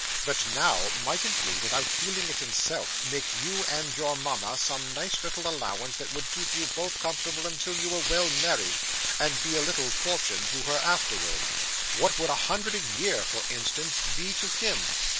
But, now, mightn't he, without feeling it himself, make you and your mama some nice little allowance that would keep you both comfortable until you were well married, and be a little fortune to her afterwards? What would a hundred a year for instance, be to him?